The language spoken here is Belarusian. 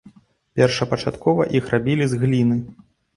Першапачаткова іх рабілі з гліны.